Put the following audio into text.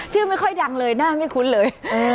ชื่อไม่ค่อยดังเลยหน้าไม่คุ้นเลย